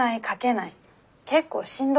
結構しんどくて。